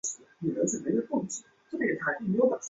高氯酸镍可由高氯酸和氢氧化镍或碳酸镍反应得到。